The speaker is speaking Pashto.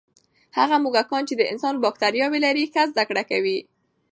هغه موږکان چې د انسان بکتریاوې لري، ښه زده کړه کوي.